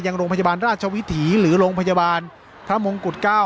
ยังโรงพยาบาลราชวิถีหรือโรงพยาบาลพระมงกุฎ๙